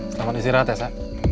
selamat istirahat ya sa